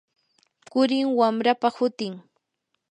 qurim wamrapa hutin.